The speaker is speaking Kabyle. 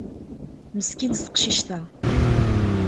Meskint teqcict-a.